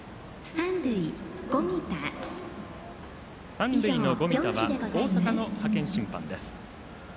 三塁の五味多は大阪の派遣審判です。